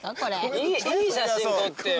いい写真撮ってよ。